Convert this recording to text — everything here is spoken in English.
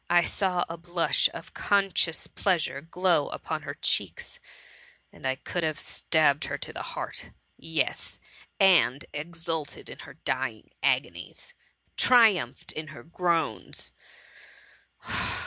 I saw a blush of conscious pleasure glow upbn her cheeks, and I THE MUMMY. 93 could have stabbed her to the heart, — ^yes, and exulted in her dying agonies— triumphed in her groans.